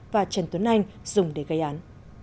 và trần tuấn anh dùng để gây án